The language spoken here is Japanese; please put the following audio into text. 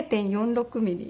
０．４６ミリ。